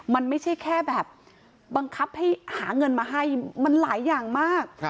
มันไม่ใช่แค่แบบบังคับให้หาเงินมาให้มันหลายอย่างมาก